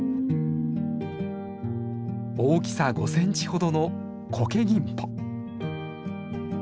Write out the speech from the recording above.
大きさ５センチほどのコケギンポ。